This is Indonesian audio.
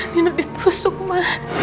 nino ditusuk ma